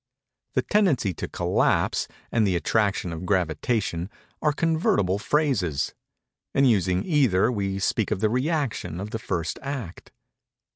"The tendency to collapse" and "the attraction of gravitation" are convertible phrases. In using either, we speak of the rëaction of the First Act.